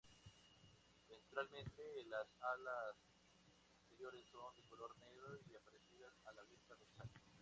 Ventralmente las alas anteriores son de color negro y parecidas a la vista dorsal.